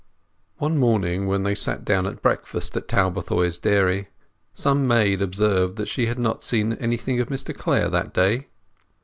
One morning when they sat down to breakfast at Talbothays Dairy some maid observed that she had not seen anything of Mr Clare that day.